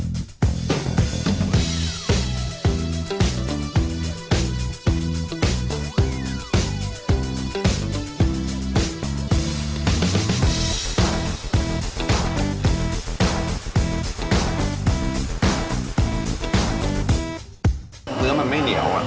เนื้อมันไม่เหนียว